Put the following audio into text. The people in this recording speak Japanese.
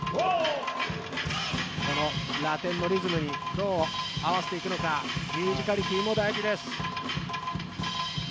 ラテンのリズムにどう合わせていくのかミュージカリティーも大事です。